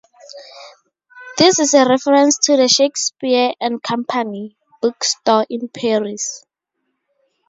This is a reference to the "Shakespeare and Company" bookstore, in Paris.